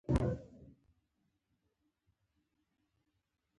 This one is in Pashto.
د پیرودونکي باور د تلپاتې اړیکې راز دی.